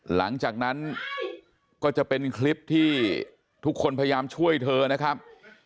หลังจากนั้นก็จะเป็นคลิปที่ทุกคนพยายามช่วยเธอนะครับ